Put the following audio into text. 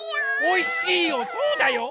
おいしいよそうだよ！